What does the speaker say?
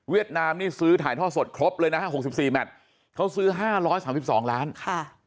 นามนี่ซื้อถ่ายท่อสดครบเลยนะฮะ๖๔แมทเขาซื้อ๕๓๒ล้านค่ะ